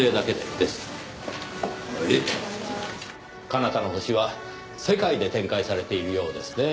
『彼方の星』は世界で展開されているようですねぇ。